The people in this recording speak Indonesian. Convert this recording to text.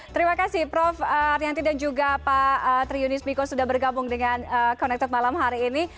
terima kasih prof aryanti dan juga pak triunis miko sudah bergabung dengan connected malam hari ini